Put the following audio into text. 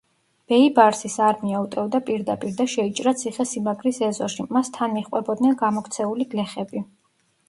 ბეიბარსის არმია უტევდა პირდაპირ და შეიჭრა ციხე სიმაგრის ეზოში მას თან მიჰყვებოდნენ გამოქცეული გლეხები.